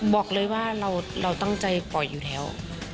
บอกเลยว่าเราตั้งใจปล่อยอยู่แล้ว